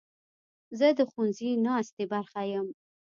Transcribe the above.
زه د ښوونځي ناستې برخه یم.